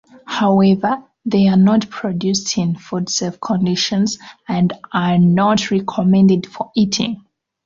However, they are not produced in food-safe conditions, and are not recommended for eating.